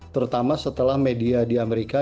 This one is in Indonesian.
terutama setelah media di amerika